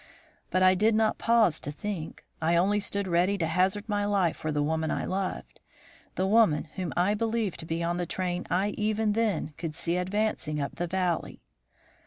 But I did not pause to think; I only stood ready to hazard my life for the woman I loved, the woman whom I believed to be on the train I even then could see advancing up the valley.